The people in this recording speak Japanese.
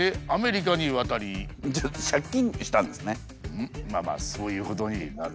そのあとまあまあそういうことになる。